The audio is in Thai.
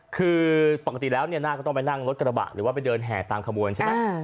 คือปกติแล้วเนี่ยน่าก็ต้องไปนั่งรถกระบะหรือว่าไปเดินแห่ตามขบวนใช่ไหม